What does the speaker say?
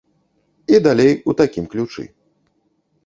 І далей у такім ключы.